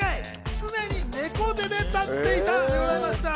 常に猫背で立っていたでございました。